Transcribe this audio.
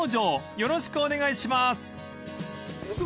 よろしくお願いします］